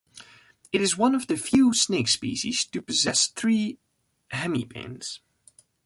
It is one of the few snake species to possess three hemipenes.